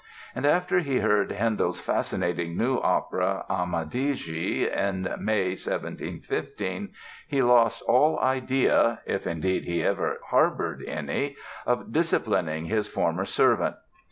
And after he heard Handel's fascinating new opera, "Amadigi", in May, 1715, he lost all idea (if, indeed, he ever harbored any) of disciplining his former servant.